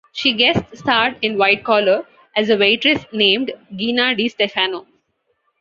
She guest starred in "White Collar" as a waitress named Gina De Stefano.